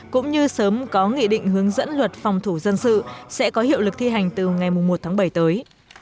cũng như sớm có nghị định hướng dẫn luật phòng thủ dân sự sẽ có hiệu lực thi hành từ ngày một tháng bảy tới